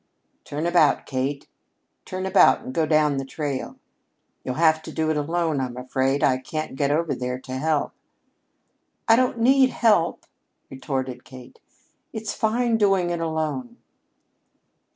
"Turn about, Kate; turn about and go down the trail. You'll have to do it alone, I'm afraid. I can't get over there to help." "I don't need help," retorted Kate. "It's fine doing it alone."